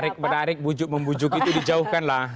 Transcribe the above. menarik menarik bujuk membujuk itu dijauhkan lah